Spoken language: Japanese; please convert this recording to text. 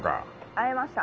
☎会えました。